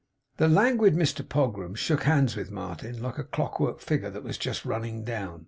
The languid Mr Pogram shook hands with Martin, like a clock work figure that was just running down.